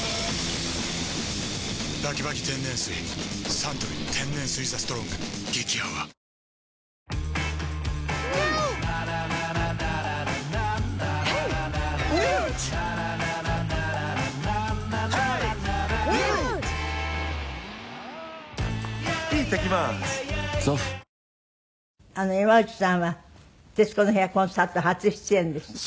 サントリー天然水「ＴＨＥＳＴＲＯＮＧ」激泡山内さんは「徹子の部屋」コンサート初出演ですってね。